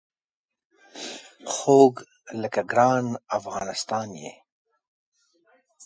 خوږ لکه ګران افغانستان یې